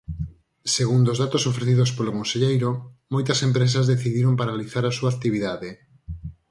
Segundo os datos ofrecidos polo conselleiro, moitas empresas decidiron paralizar a súa actividade.